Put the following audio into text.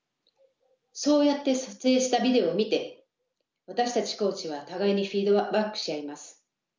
そうやって撮影したビデオを見て私たちコーチは互いにフィードバックし合います。